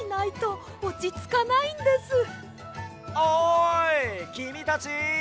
・おいきみたち！